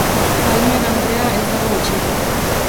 Palmer andrea ez dago etxean.